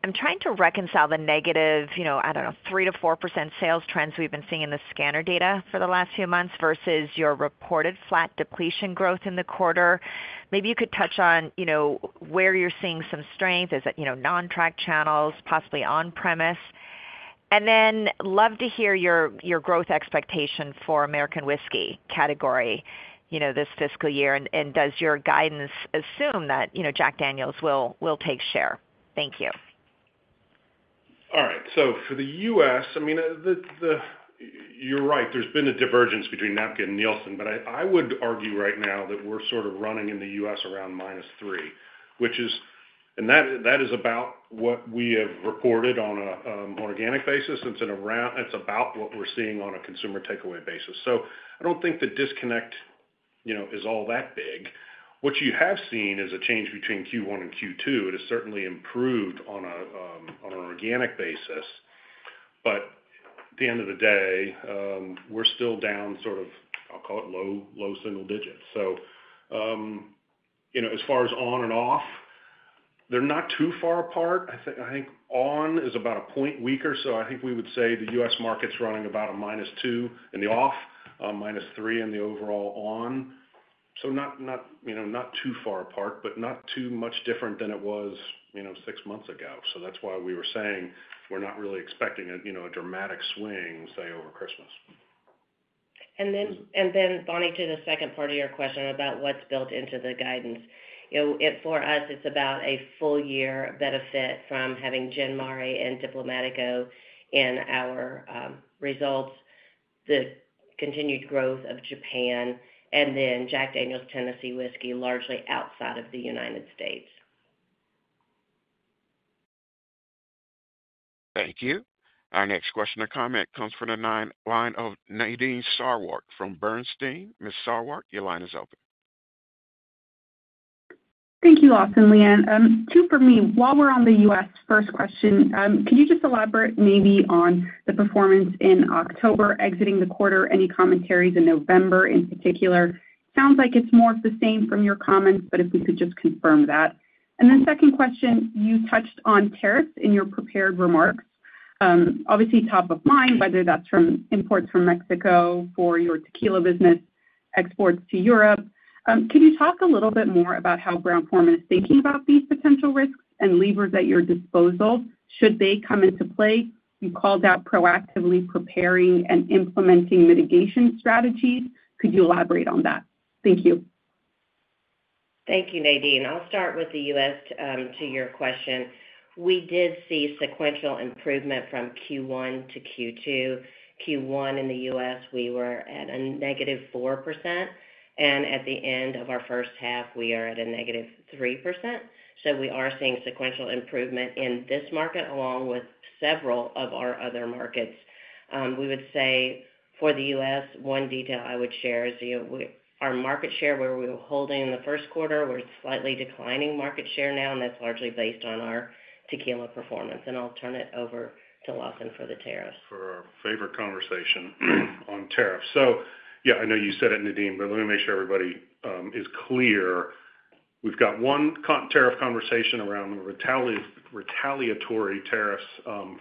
I'm trying to reconcile the negative, I don't know, 3%-4% sales trends we've been seeing in the scanner data for the last few months versus your reported flat depletion growth in the quarter. Maybe you could touch on where you're seeing some strength, is it non-track channels, possibly on-premise? And then love to hear your growth expectation for American whiskey category this fiscal year, and does your guidance assume that Jack Daniel's will take share? Thank you. All right. So for the U.S., I mean, you're right, there's been a divergence between NABCA and Nielsen, but I would argue right now that we're sort of running in the U.S. around minus three, which is, and that is about what we have reported on an organic basis. It's about what we're seeing on a consumer takeaway basis. So I don't think the disconnect is all that big. What you have seen is a change between Q1 and Q2. It has certainly improved on an organic basis, but at the end of the day, we're still down sort of, I'll call it low single digits. So as far as on and off, they're not too far apart. I think on is about a point weaker. So I think we would say the U.S. market's running about a minus two and the off, minus three and the overall on. So not too far apart, but not too much different than it was six months ago. So that's why we were saying we're not really expecting a dramatic swing, say, over Christmas. And then, Bonnie, to the second part of your question about what's built into the guidance. For us, it's about a full-year benefit from having Gin Mare and Diplomático in our results, the continued growth of Japan, and then Jack Daniel's Tennessee Whiskey, largely outside of the United States. Thank you. Our next question or comment comes from the line of Nadine Sarwat from Bernstein. Ms. Sarwat, your line is open. Thank you, Lawson, Leanne. Two for me. While we're on the U.S., first question, could you just elaborate maybe on the performance in October, exiting the quarter, any commentaries in November in particular? Sounds like it's more of the same from your comments, but if we could just confirm that, and then second question, you touched on tariffs in your prepared remarks. Obviously, top of mind, whether that's from imports from Mexico for your tequila business, exports to Europe. Could you talk a little bit more about how Brown-Forman is thinking about these potential risks and levers at your disposal should they come into play? You called out proactively preparing and implementing mitigation strategies. Could you elaborate on that? Thank you. Thank you, Nadine. I'll start with the U.S. to your question. We did see sequential improvement from Q1 to Q2. Q1 in the U.S., we were at a negative 4%, and at the end of our first half, we are at a negative 3%. So we are seeing sequential improvement in this market along with several of our other markets. We would say for the U.S., one detail I would share is our market share where we were holding in the first quarter, we're slightly declining market share now, and that's largely based on our tequila performance, and I'll turn it over to Lawson for the tariffs. For our favorite conversation on tariffs, so yeah, I know you said it, Nadine, but let me make sure everybody is clear. We've got one tariff conversation around the retaliatory tariffs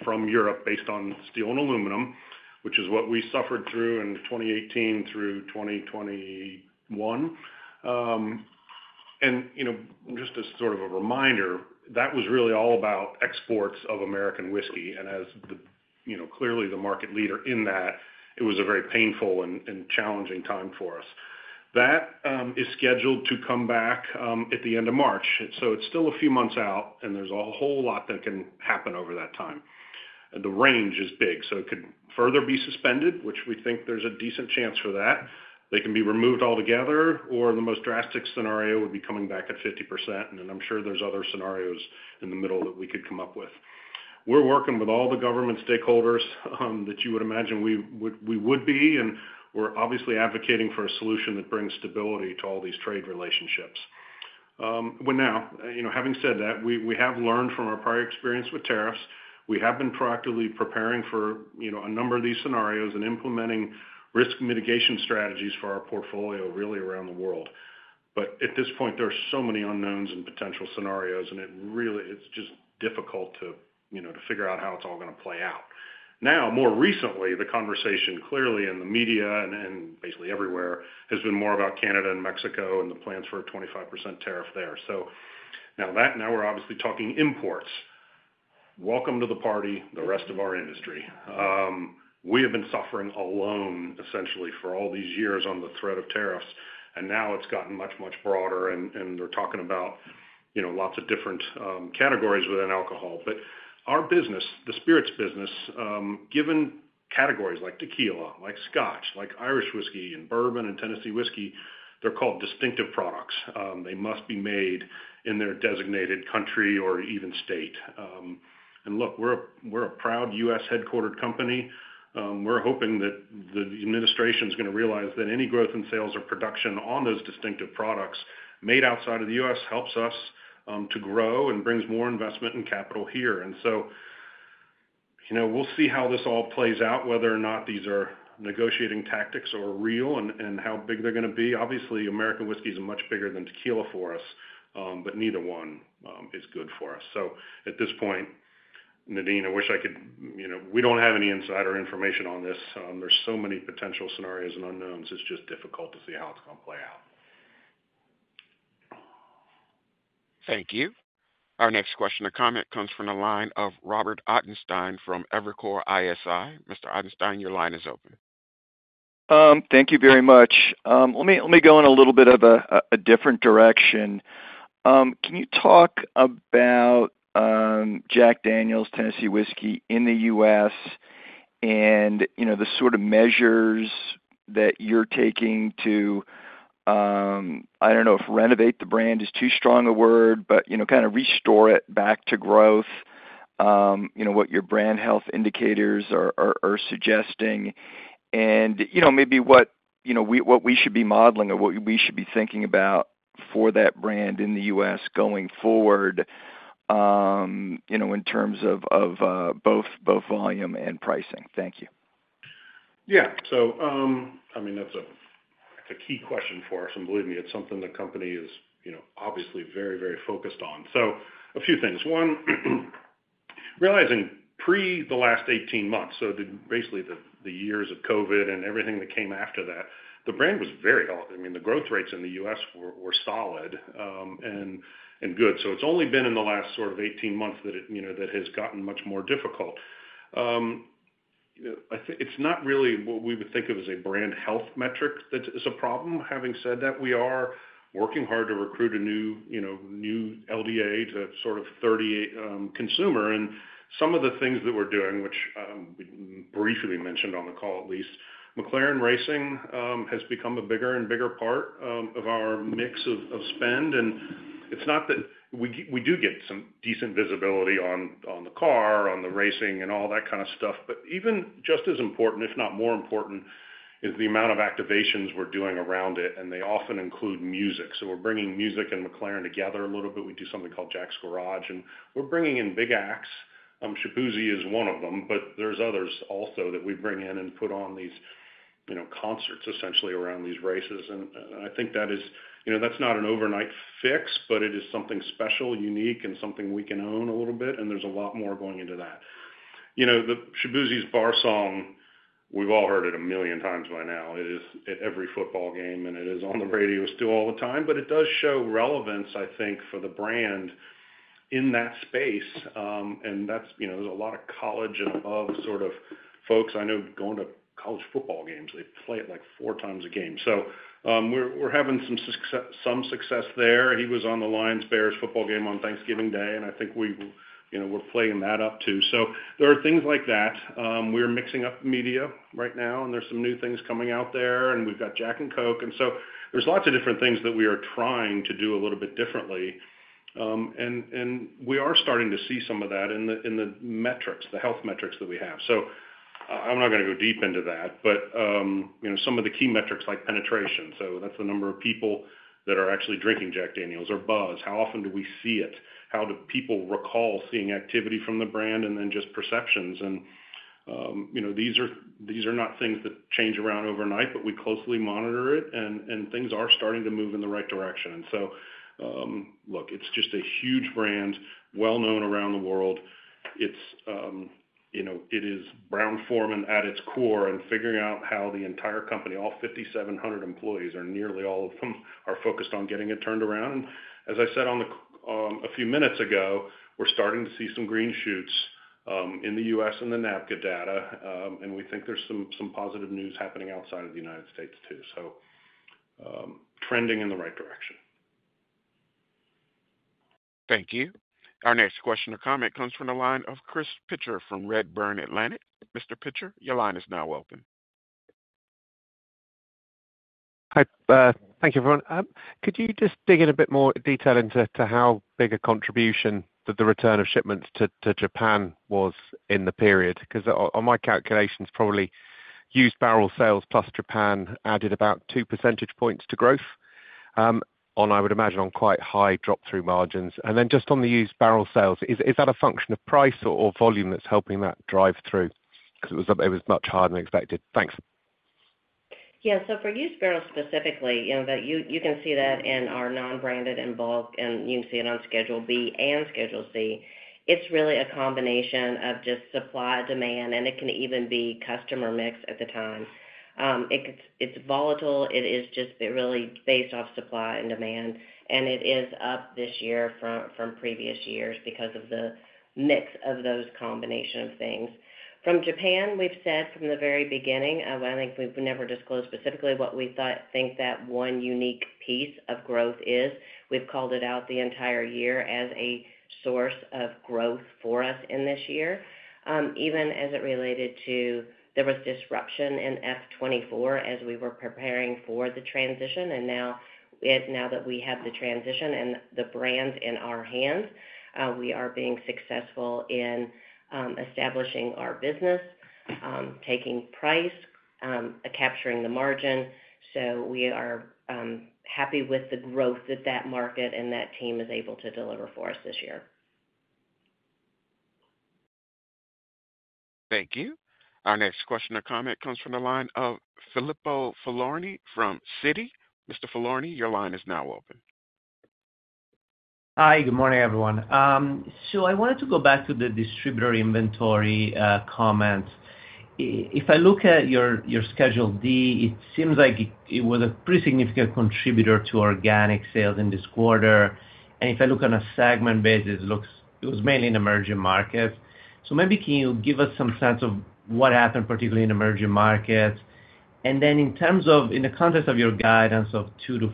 from Europe based on steel and aluminum, which is what we suffered through in 2018 through 2021, and just as sort of a reminder, that was really all about exports of American whiskey, and as clearly the market leader in that, it was a very painful and challenging time for us. That is scheduled to come back at the end of March. So it's still a few months out, and there's a whole lot that can happen over that time. The range is big. So it could further be suspended, which we think there's a decent chance for that. They can be removed altogether, or the most drastic scenario would be coming back at 50%. And then I'm sure there's other scenarios in the middle that we could come up with. We're working with all the government stakeholders that you would imagine we would be, and we're obviously advocating for a solution that brings stability to all these trade relationships. Now, having said that, we have learned from our prior experience with tariffs. We have been proactively preparing for a number of these scenarios and implementing risk mitigation strategies for our portfolio really around the world. But at this point, there are so many unknowns and potential scenarios, and it's just difficult to figure out how it's all going to play out. Now, more recently, the conversation clearly in the media and basically everywhere has been more about Canada and Mexico and the plans for a 25% tariff there. So now we're obviously talking imports. Welcome to the party, the rest of our industry. We have been suffering alone, essentially, for all these years on the threat of tariffs, and now it's gotten much, much broader, and they're talking about lots of different categories within alcohol. But our business, the spirits business, given categories like tequila, like Scotch, like Irish whiskey, and bourbon and Tennessee whiskey, they're called distinctive products. They must be made in their designated country or even state. And look, we're a proud U.S.-headquartered company. We're hoping that the administration is going to realize that any growth in sales or production on those distinctive products made outside of the U.S. helps us to grow and brings more investment and capital here. And so we'll see how this all plays out, whether or not these are negotiating tactics or real and how big they're going to be. Obviously, American whiskey is much bigger than tequila for us, but neither one is good for us. So at this point, Nadine, I wish I could—we don't have any insider information on this. There's so many potential scenarios and unknowns. It's just difficult to see how it's going to play out. Thank you. Our next question or comment comes from the line of Robert Ottenstein from Evercore ISI. Mr. Ottenstein, your line is open. Thank you very much. Let me go in a little bit of a different direction. Can you talk about Jack Daniel's Tennessee Whiskey in the U.S. and the sort of measures that you're taking to, I don't know if renovate the brand is too strong a word, but kind of restore it back to growth, what your brand health indicators are suggesting, and maybe what we should be modeling or what we should be thinking about for that brand in the U.S. going forward in terms of both volume and pricing? Thank you. Yeah. So I mean, that's a key question for us, and believe me, it's something the company is obviously very, very focused on. So a few things. One, realizing pre the last 18 months, so basically the years of COVID and everything that came after that, the brand was very, I mean, the growth rates in the U.S. were solid and good. It's only been in the last sort of 18 months that it has gotten much more difficult. It's not really what we would think of as a brand health metric that is a problem. Having said that, we are working hard to recruit a new LDA to sort of 38 consumer. Some of the things that we're doing, which we briefly mentioned on the call at least, McLaren Racing has become a bigger and bigger part of our mix of spend. It's not that we do get some decent visibility on the car, on the racing, and all that kind of stuff, but even just as important, if not more important, is the amount of activations we're doing around it, and they often include music. We're bringing music and McLaren together a little bit. We do something called Jack's Garage, and we're bringing in big acts. Shaboozey is one of them, but there's others also that we bring in and put on these concerts, essentially, around these races, and I think that is, that's not an overnight fix, but it is something special, unique, and something we can own a little bit, and there's a lot more going into that. Shaboozey's Bar Song, we've all heard it a million times by now. It is at every football game, and it is on the radio still all the time, but it does show relevance, I think, for the brand in that space, and there's a lot of college and above sort of folks. I know going to college football games, they play it like four times a game, so we're having some success there. He was on the Lions-Bears football game on Thanksgiving Day, and I think we're playing that up too, so there are things like that. We're mixing up media right now, and there's some new things coming out there, and we've got Jack & Coke, and so there's lots of different things that we are trying to do a little bit differently, and we are starting to see some of that in the metrics, the health metrics that we have. So I'm not going to go deep into that, but some of the key metrics like penetration, so that's the number of people that are actually drinking Jack Daniel's or buzz, how often do we see it, how do people recall seeing activity from the brand, and then just perceptions. And these are not things that change around overnight, but we closely monitor it, and things are starting to move in the right direction, and so, look, it's just a huge brand, well-known around the world. It is Brown-Forman at its core and figuring out how the entire company, all 5,700 employees, or nearly all of them, are focused on getting it turned around. And as I said a few minutes ago, we're starting to see some green shoots in the U.S. and the NABCA data, and we think there's some positive news happening outside of the United States too. So trending in the right direction. Thank you. Our next question or comment comes from the line of Chris Pitcher, from Redburn Atlantic. Mr. Pitcher, your line is now open. Hi. Thank you, everyone. Could you just dig in a bit more detail into how big a contribution that the return of shipments to Japan was in the period? Because on my calculations, probably used barrel sales plus Japan added about two percentage points to growth, I would imagine, on quite high drop-through margins. And then just on the used barrel sales, is that a function of price or volume that's helping that drive through? Because it was much higher than expected. Thanks. Yeah. So for used barrels specifically, you can see that in our non-branded and bulk, and you can see it on Schedule B and Schedule C. It's really a combination of just supply and demand, and it can even be customer mix at the time. It's volatile. It is just really based off supply and demand, and it is up this year from previous years because of the mix of those combination of things. From Japan, we've said from the very beginning, I think we've never disclosed specifically what we think that one unique piece of growth is. We've called it out the entire year as a source of growth for us in this year, even as it related to there was disruption in F-24 as we were preparing for the transition. And now that we have the transition and the brands in our hands, we are being successful in establishing our business, taking price, capturing the margin. So we are happy with the growth that that market and that team is able to deliver for us this year. Thank you. Our next question or comment comes from the line of Filippo Falorni from Citi. Mr. Falorni, your line is now open. Hi. Good morning, everyone. So I wanted to go back to the distributor inventory comment. If I look at your Schedule D, it seems like it was a pretty significant contributor to organic sales in this quarter. And if I look on a segment basis, it was mainly in emerging markets. So maybe can you give us some sense of what happened particularly in emerging markets? And then in terms of in the context of your guidance of 2%-4%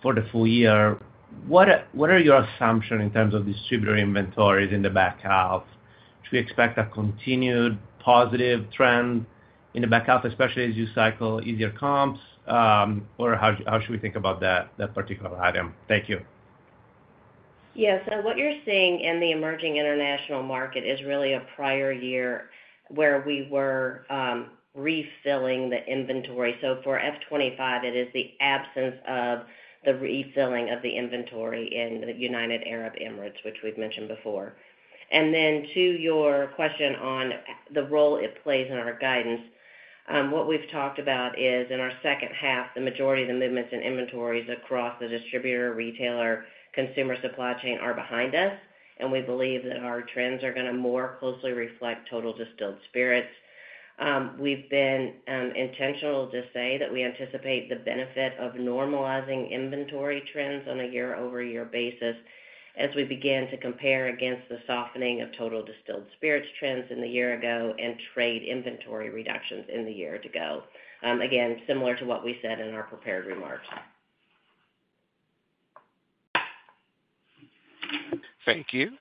for the full year, what are your assumptions in terms of distributor inventories in the back half? Should we expect a continued positive trend in the back half, especially as you cycle easier comps, or how should we think about that particular item? Thank you. Yeah. So what you're seeing in the emerging international market is really a prior year where we were refilling the inventory. So for F-25, it is the absence of the refilling of the inventory in the United Arab Emirates, which we've mentioned before. And then, to your question on the role it plays in our guidance, what we've talked about is in our second half, the majority of the movements and inventories across the distributor, retailer, consumer supply chain are behind us, and we believe that our trends are going to more closely reflect Total Distilled Spirits. We've been intentional to say that we anticipate the benefit of normalizing inventory trends on a year-over-year basis as we begin to compare against the softening of Total Distilled Spirits trends in the year-ago and trade inventory reductions in the year-to-go. Again, similar to what we said in our prepared remarks. Thank you.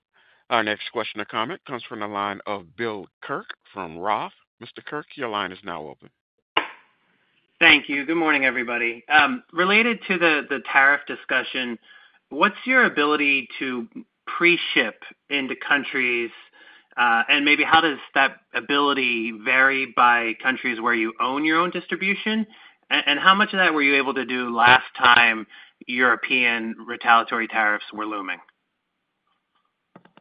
Our next question or comment comes from the line of Bill Kirk from Roth. Mr. Kirk, your line is now open. Thank you. Good morning, everybody. Related to the tariff discussion, what's your ability to pre-ship into countries, and maybe how does that ability vary by countries where you own your own distribution? And how much of that were you able to do last time European retaliatory tariffs were looming?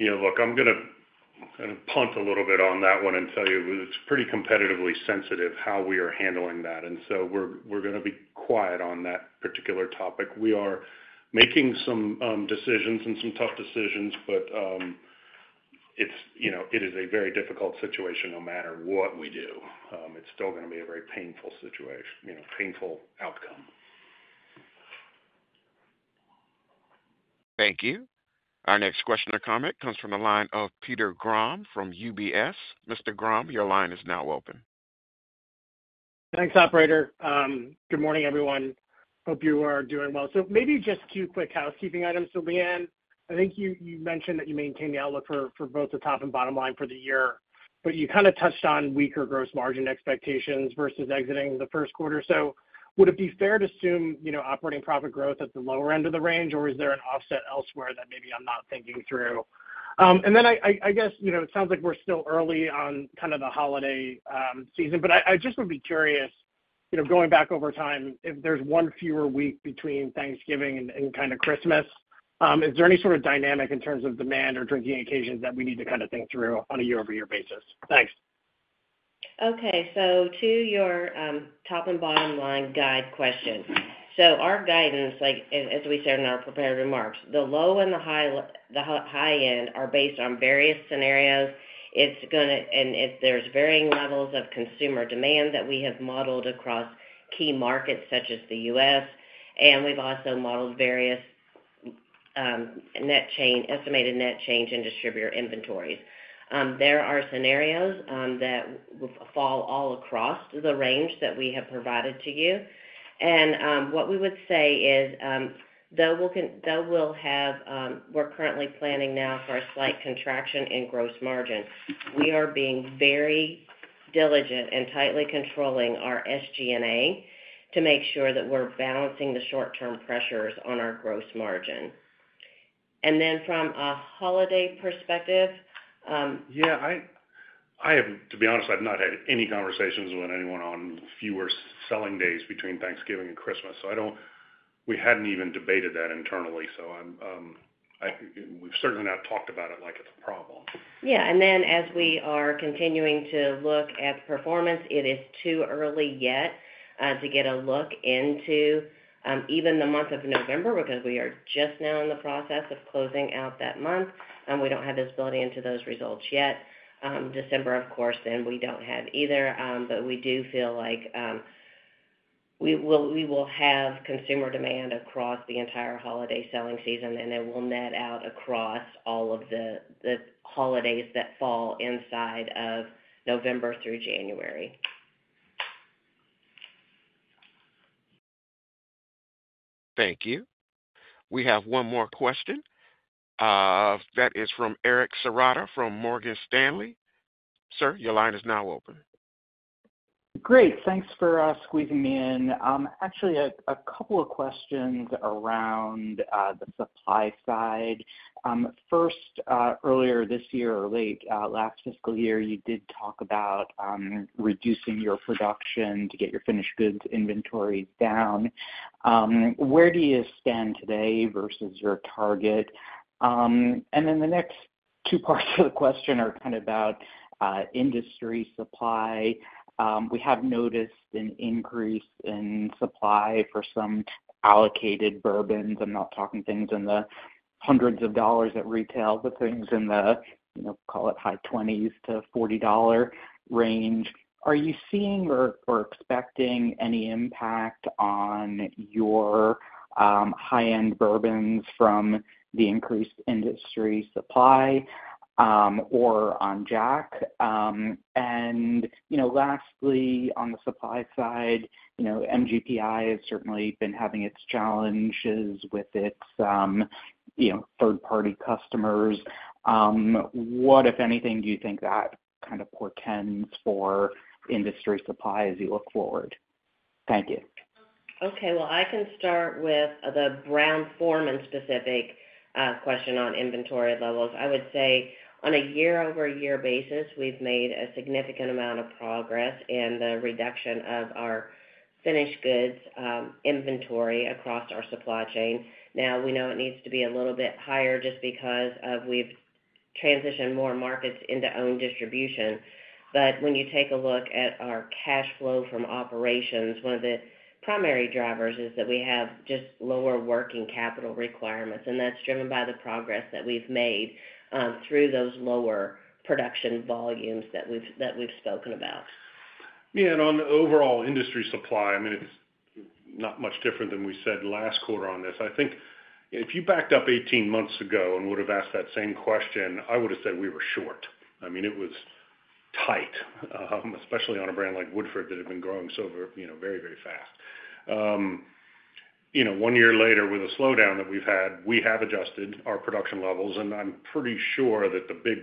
Yeah. Look, I'm going to punt a little bit on that one and tell you it's pretty competitively sensitive how we are handling that. And so we're going to be quiet on that particular topic. We are making some decisions and some tough decisions, but it is a very difficult situation no matter what we do. It's still going to be a very painful situation, painful outcome. Thank you. Our next question or comment comes from the line of Peter Grom from UBS. Mr. Grom, your line is now open. Thanks, operator. Good morning, everyone. Hope you are doing well. So maybe just two quick housekeeping items, Leanne. I think you mentioned that you maintain the outlook for both the top and bottom line for the year, but you kind of touched on weaker gross margin expectations versus exiting the first quarter. So would it be fair to assume operating profit growth at the lower end of the range, or is there an offset elsewhere that maybe I'm not thinking through? And then I guess it sounds like we're still early on kind of the holiday season, but I just would be curious, going back over time, if there's one fewer week between Thanksgiving and kind of Christmas, is there any sort of dynamic in terms of demand or drinking occasions that we need to kind of think through on a year-over-year basis? Thanks. Okay. So to your top and bottom line guide questions. So our guidance, as we said in our prepared remarks, the low and the high end are based on various scenarios. And there's varying levels of consumer demand that we have modeled across key markets such as the U.S. And we've also modeled various net change estimated net change in distributor inventories. There are scenarios that fall all across the range that we have provided to you. And what we would say is, we're currently planning now for a slight contraction in gross margin. We are being very diligent and tightly controlling our SG&A to make sure that we're balancing the short-term pressures on our gross margin. And then from a holiday perspective. Yeah. To be honest, I've not had any conversations with anyone on fewer selling days between Thanksgiving and Christmas. So we hadn't even debated that internally. So we've certainly not talked about it like it's a problem. Yeah. And then as we are continuing to look at performance, it is too early yet to get a look into even the month of November because we are just now in the process of closing out that month. We don't have visibility into those results yet. December, of course, then we don't have either, but we do feel like we will have consumer demand across the entire holiday selling season, and it will net out across all of the holidays that fall inside of November through January. Thank you. We have one more question. That is from Eric Serotta from Morgan Stanley. Sir, your line is now open. Great. Thanks for squeezing me in. Actually, a couple of questions around the supply side. First, earlier this year or late last fiscal year, you did talk about reducing your production to get your finished goods inventory down. Where do you stand today versus your target? And then the next two parts of the question are kind of about industry supply. We have noticed an increase in supply for some allocated bourbons. I'm not talking things in the hundreds of dollars at retail, but things in the, call it, high 20s to $40 range. Are you seeing or expecting any impact on your high-end bourbons from the increased industry supply or on Jack? And lastly, on the supply side, MGPI has certainly been having its challenges with its third-party customers. What, if anything, do you think that kind of portends for industry supply as you look forward? Thank you. Okay, well, I can start with the Brown-Forman specific question on inventory levels. I would say on a year-over-year basis, we've made a significant amount of progress in the reduction of our finished goods inventory across our supply chain. Now, we know it needs to be a little bit higher just because we've transitioned more markets into own distribution. But when you take a look at our cash flow from operations, one of the primary drivers is that we have just lower working capital requirements. And that's driven by the progress that we've made through those lower production volumes that we've spoken about. Yeah. And on the overall industry supply, I mean, it's not much different than we said last quarter on this. I think if you backed up 18 months ago and would have asked that same question, I would have said we were short. I mean, it was tight, especially on a brand like Woodford that had been growing so very, very fast. One year later, with a slowdown that we've had, we have adjusted our production levels, and I'm pretty sure that the big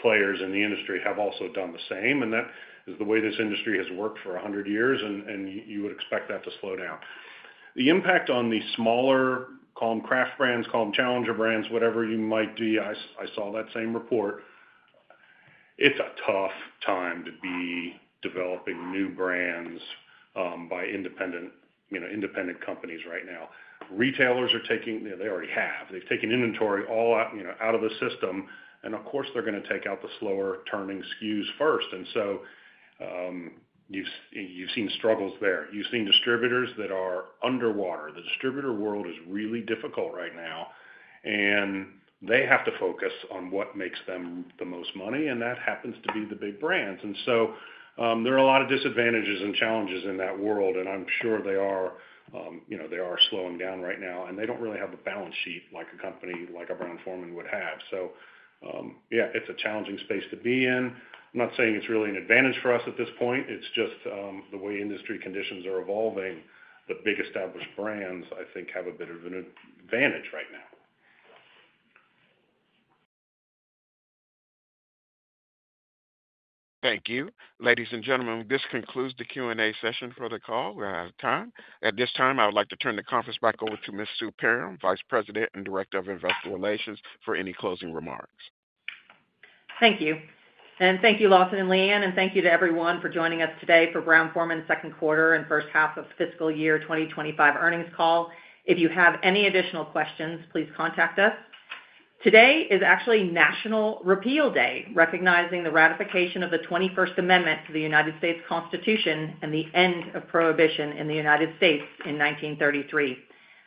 players in the industry have also done the same, and that is the way this industry has worked for 100 years, and you would expect that to slow down. The impact on the smaller, call them craft brands, call them challenger brands, whatever you might be, I saw that same report. It's a tough time to be developing new brands by independent companies right now. Retailers are taking. They already have. They've taken inventory out of the system, and of course, they're going to take out the slower turning SKUs first, and so you've seen struggles there. You've seen distributors that are underwater. The distributor world is really difficult right now, and they have to focus on what makes them the most money, and that happens to be the big brands. And so there are a lot of disadvantages and challenges in that world, and I'm sure they are slowing down right now, and they don't really have a balance sheet like a company like a Brown-Forman would have. So yeah, it's a challenging space to be in. I'm not saying it's really an advantage for us at this point. It's just the way industry conditions are evolving. The big established brands, I think, have a bit of an advantage right now. Thank you. Ladies and gentlemen, this concludes the Q&A session for the call. We're out of time. At this time, I would like to turn the conference back over to Ms. Sue Perram, Vice President and Director of Investor Relations, for any closing remarks. Thank you. And thank you, Lawson and Leanne, and thank you to everyone for joining us today for Brown-Forman second quarter and first half of fiscal year 2025 earnings call. If you have any additional questions, please contact us. Today is actually National Repeal Day, recognizing the ratification of the 21st Amendment to the U.S. Constitution and the end of Prohibition in the U.S. in 1933.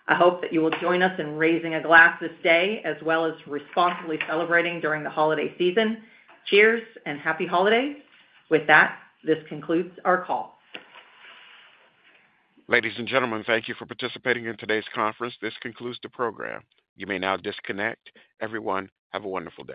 I hope that you will join us in raising a glass this day as well as responsibly celebrating during the holiday season. Cheers and happy holidays. With that, this concludes our call. Ladies and gentlemen, thank you for participating in today's conference. This concludes the program. You may now disconnect. Everyone, have a wonderful day.